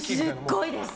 すごいです。